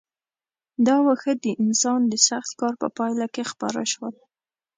دا واښه د انسان د سخت کار په پایله کې خپاره شول.